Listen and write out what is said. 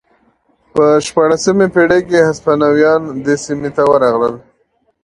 په شپاړسمې پېړۍ کې هسپانویان دې سیمې ته ورغلل.